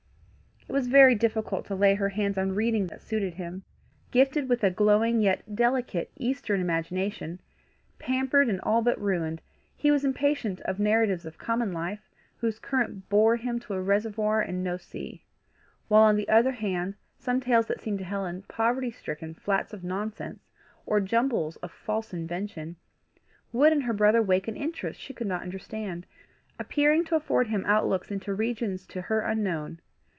It was very difficult to lay her hands on reading that suited him. Gifted with a glowing yet delicate eastern imagination, pampered and all but ruined, he was impatient of narratives of common life, whose current bore him to a reservoir and no sea; while, on the other hand, some tales that seemed to Helen poverty stricken flats of nonsense, or jumbles of false invention, would in her brother wake an interest she could not understand, appearing to afford him outlooks into regions to her unknown.